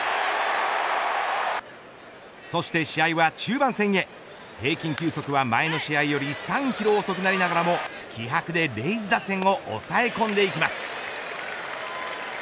そして試合は中盤戦へ平均球速は前の試合より３キロ遅くなりながらも気迫でレイズ打線を抑え込んでいきます。